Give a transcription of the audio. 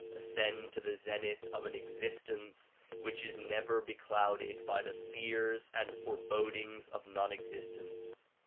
Ascend to the zenith of an existence which is never beclouded by the fears and forebodings of non existence.